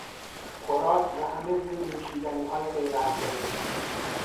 خوراک و همه گونه نوشیدنیهای غیر الکلی